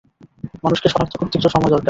মানুষকে শনাক্ত করতে একটু সময় দরকার।